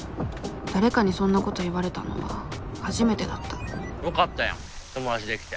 誰かにそんなこと言われたのは初めてだったよかったやん友達できて。